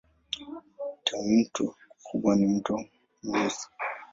Tawimto kubwa ni Mto Mweusi.